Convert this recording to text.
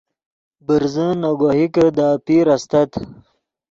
برزن نے گوہکے دے اپیر استت